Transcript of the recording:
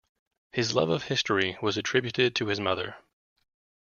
His love of history was attributed to his mother.